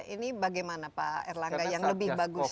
ini bagaimana pak erlangga yang lebih bagus